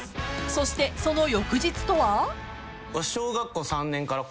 そしてその翌日とは？］